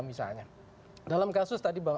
misalnya dalam kasus tadi